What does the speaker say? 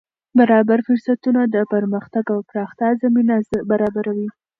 برابر فرصتونه د پرمختګ او پراختیا زمینه برابروي.